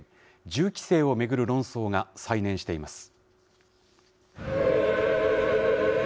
銃規制を巡る論争が再燃しています。